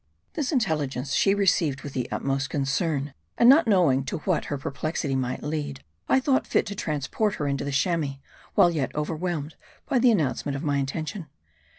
This intelligence she received with the utmost concern ; and not knowing to what her perplexity might lead, I thought fit to transport her into the Chamois, while yet overwhelmed by the announcement of my intention.